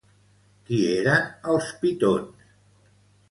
Qui eren els pitons?